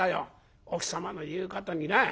奥様の言うことにな」。